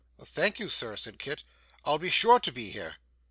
'Thank you, Sir,' said Kit. 'I'll be sure to be here.